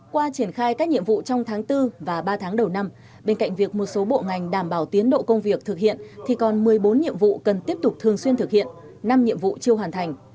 qua triển khai các nhiệm vụ trong tháng bốn và ba tháng đầu năm bên cạnh việc một số bộ ngành đảm bảo tiến độ công việc thực hiện thì còn một mươi bốn nhiệm vụ cần tiếp tục thường xuyên thực hiện năm nhiệm vụ chưa hoàn thành